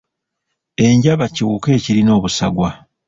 Enjaba kiwuka ekirina obusagwa.